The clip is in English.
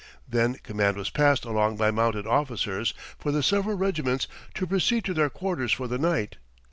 Then command was passed along by mounted officers for the several regiments to proceed to their quarters for the night.